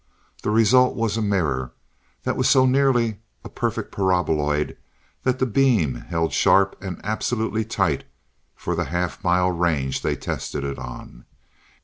The result was a mirror that was so nearly a perfect paraboloid that the beam held sharp and absolutely tight for the half mile range they tested it on.